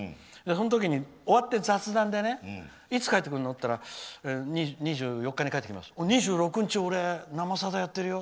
その時に、終わって雑談でいつ帰ってくるの？って言ったら２４日に帰ってくるって言うから２６日、俺「生さだ」やってるよ。